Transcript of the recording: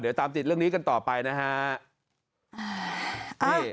เดี๋ยวตามติดเรื่องนี้กันต่อไปนะฮะ